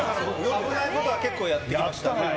危ないことは結構やってきましたね。